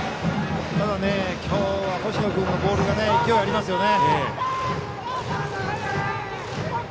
ただ、今日は星野君のボール勢いありますよね。